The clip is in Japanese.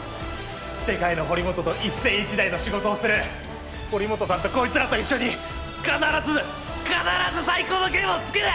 世界の堀本と一世一代の仕事をする堀本さんとこいつらと一緒に必ず必ず最高のゲームを作る！